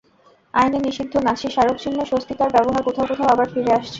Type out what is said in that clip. আইনে নিষিদ্ধ নাৎসি স্মারকচিহ্ন স্বস্তিকার ব্যবহার কোথাও কোথাও আবার ফিরে আসছে।